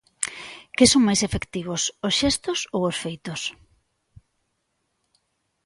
¿Que son máis efectivos os xestos ou os feitos?